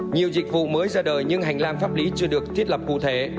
nhiều dịch vụ mới ra đời nhưng hành lang pháp lý chưa được thiết lập cụ thể